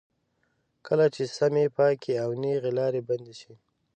کله چې سمې، پاکې او نېغې لارې بندې شي.